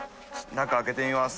中開けてみます。